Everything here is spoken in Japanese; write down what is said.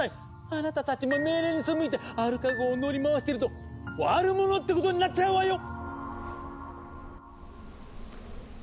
あなたたちも命令に背いてアルカ号を乗り回してると悪者ってことになっちゃうわよ！